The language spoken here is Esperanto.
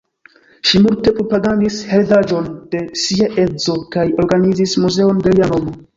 Ŝi multe propagandis heredaĵon de sia edzo kaj organizis muzeon de lia nomo.